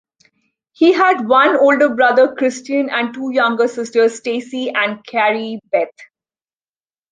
He had one older brother, Christian, and two younger sisters, Stacy and Carrie Beth.